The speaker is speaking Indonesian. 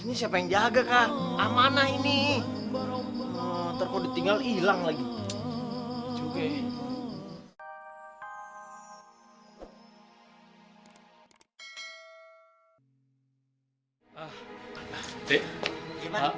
ini siapa yang jaga kan amanah ini terkode tinggal hilang lagi juga